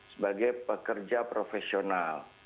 sebagai pekerja profesional